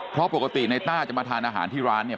เพราะปกติในต้าจะมาทานอาหารที่ร้านเนี่ย